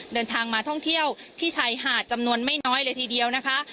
เดินทางมาท่องเที่ยวที่ชายหาดจำนวนไม่น้อยเลยทีเดียวนะคะ